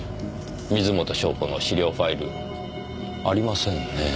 水元湘子の資料ファイルありませんねぇ。